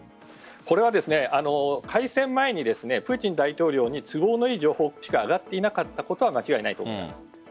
これは開戦前にプーチン大統領に都合のいい情報しか上がっていなかったことは間違いないです。